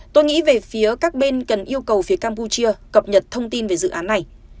tôi nghĩ về phía các bên cần yêu cầu phía campuchia cập nhật thông tin về dự án này